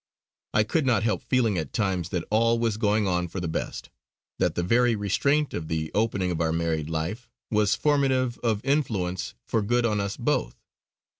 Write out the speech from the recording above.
I could not help feeling at times that all was going on for the best; that the very restraint of the opening of our married life was formative of influence for good on us both.